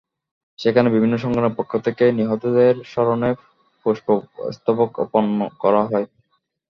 সেখানেই বিভিন্ন সংগঠনের পক্ষ থেকে নিহতদের স্মরণে পুষ্পস্তবক অর্পণ করা হয়।